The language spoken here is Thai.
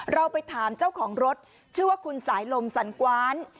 เราไปถามเจ้าของรถชื่อว่าคุณสายลมสันกว้าน